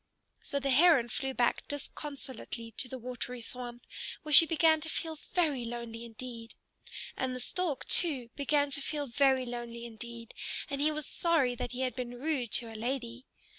So the Heron flew back disconsolately to the watery swamp, where she began to feel very lonely indeed. And the Stork, too, began to feel very lonely indeed; and he was sorry that he had been rude to a lady.